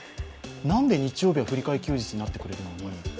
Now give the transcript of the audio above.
何で日曜日は振り替え休日になってくるのに。